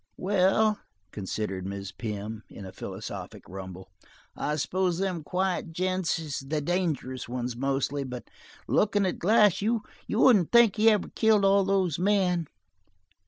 '"Well," considered Mrs. Pym, in a philosophic rumble, "I s'pose them quiet gents is the dangerous ones, mostly; but looking at Glass you wouldn't think he'd ever killed all those men.